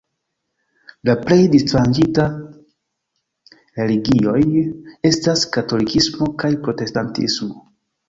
La plej disvastiĝintaj religioj estas katolikismo kaj protestantismo.